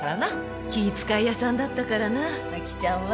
気ぃ使い屋さんだったからなアキちゃんは。